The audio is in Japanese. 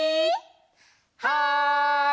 はい！